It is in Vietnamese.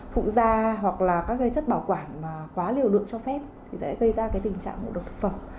phụ da hoặc các chất bảo quản quá liều lượng cho phép sẽ gây ra tình trạng ngộ độc thực phẩm